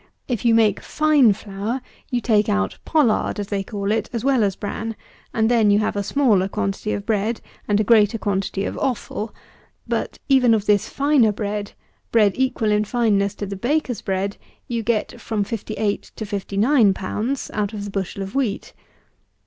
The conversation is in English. If you make fine flour, you take out pollard, as they call it, as well as bran, and then you have a smaller quantity of bread and a greater quantity of offal; but, even of this finer bread, bread equal in fineness to the baker's bread, you get from fifty eight to fifty nine pounds out of the bushel of wheat.